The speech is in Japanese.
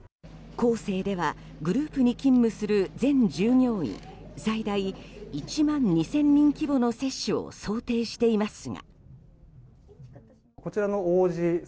コーセーではグループに勤務する全従業員最大１万２０００人規模の接種を想定していますが。